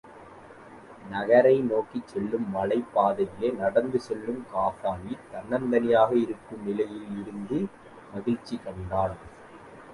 நகரை நோக்கிச் செல்லும் மலைப் பதையிலே நடந்து செல்லும் காசாலி, தன்னந்தனியாக இருக்கும் நிலையிலும் மகிழ்ச்சி கண்டான்.